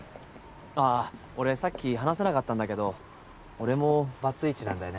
あっ俺さっき話せなかったんだけど俺もバツイチなんだよね。